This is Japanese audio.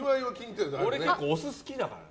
俺、結構、お酢好きだから。